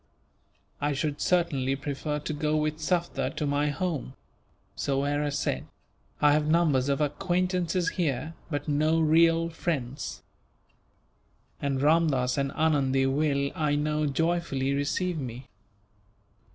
"I should certainly prefer to go with Sufder to my home," Soyera said. "I have numbers of acquaintances here, but no real friends; and Ramdass and Anundee will, I know, joyfully receive me."